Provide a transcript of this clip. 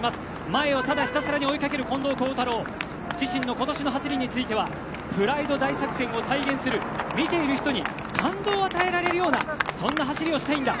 前をただひたすらに追いかける近藤幸太郎自身の今年の走りについてはプライド大作戦を体現する見ている人に感動を与えられるようなそんな走りをしたいんだ。